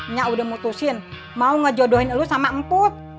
nyak udah mutusin mau ngejodohin lu sama empuk